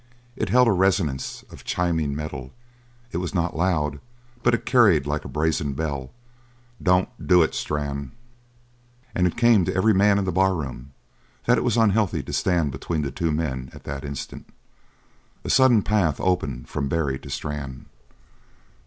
It held a resonance of chiming metal; it was not loud, but it carried like a brazen bell. "Don't do it, Strann!" And it came to every man in the barroom that it was unhealthy to stand between the two men at that instant; a sudden path opened from Barry to Strann.